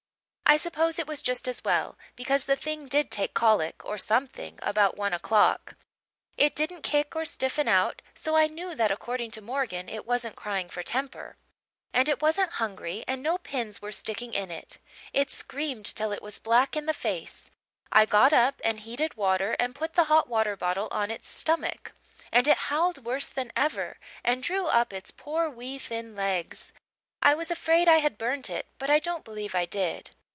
I suppose it was just as well, because the thing did take colic or something about one o'clock. It didn't kick or stiffen out, so I knew that, according to Morgan, it wasn't crying for temper; and it wasn't hungry and no pins were sticking in it. It screamed till it was black in the face; I got up and heated water and put the hot water bottle on its stomach, and it howled worse than ever and drew up its poor wee thin legs. I was afraid I had burnt it but I don't believe I did.